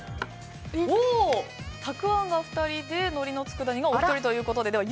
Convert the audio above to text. たくあんが２人でのりのつくだ煮がお一人ということで。